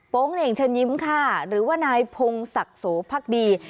เน่งเชิญยิ้มค่ะหรือว่านายพงศักดิ์โสพักดี